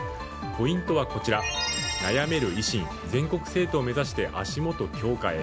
ポイントはこちら悩める維新、全国政党目指して足元強化へ。